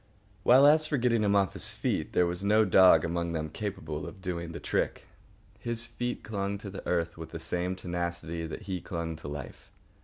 While, as for getting him off his feet, there was no dog among them capable of doing the trick. His feet clung to the earth with the same tenacity that he clung to life.